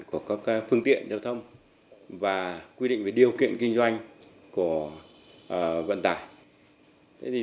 của các phương tiện giao thông và quy định về điều kiện kinh doanh của vận tải